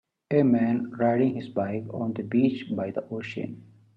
A man riding his bike on the beach by the ocean.